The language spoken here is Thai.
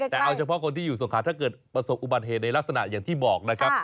แต่เอาเฉพาะคนที่อยู่สงขาถ้าเกิดประสบอุบัติเหตุในลักษณะอย่างที่บอกนะครับ